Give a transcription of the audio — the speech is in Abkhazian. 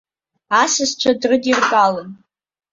Асасцәа дрыдиртәалон.